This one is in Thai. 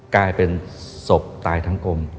กลายเป็นศพตายทั้งกลม